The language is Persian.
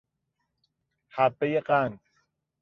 حبهی قند